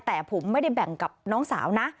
แต่ผมไม่ได้แบ่งกับน้องสาวนะ